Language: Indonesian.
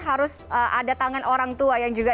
harus ada tangan orang tua yang juga